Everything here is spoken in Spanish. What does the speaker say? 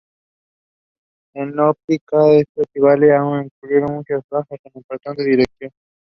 En óptica, esto es equivalente a incluir muchas franjas del patrón de difracción.